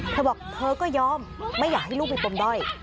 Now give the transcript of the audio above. เธอบอกเธอก็ยอมไม่อยากให้ลูกมีปมด้อย